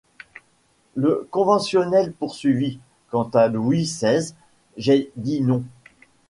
Le conventionnel poursuivit :— Quant à Louis seize, j’ai dit non.